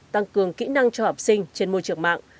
tăng cường kỹ năng cho học sinh trên môi trường mạng